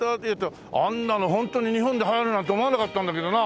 あんなのホントに日本で流行るなんて思わなかったんだけどな。